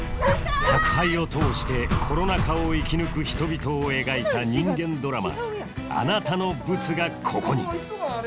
宅配を通してコロナ禍を生き抜く人々を描いた人間ドラマ「あなたのブツが、ここに」